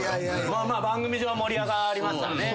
まあ番組上盛り上がりますからね。